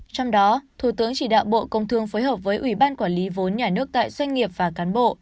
trong đó thủ tướng chỉ đạo bộ công thương phối hợp với ủy ban quản lý vốn nhà nước tại doanh nghiệp và cán bộ